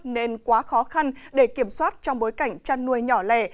nên quá khó khăn để kiểm soát trong bối cảnh chăn nuôi nhỏ lẻ